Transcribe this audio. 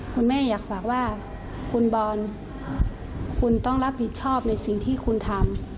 แม่อยากฝากว่าคุณบอลคุณต้องรับผิดชอบในสิ่งที่คุณทำ